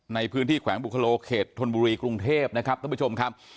ในพื้นที่แขวงบุคโลเขตธนบุรีกรุงเทพนะครับท่านผู้ชมครับ